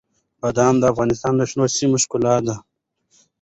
بادام د افغانستان د شنو سیمو ښکلا ده.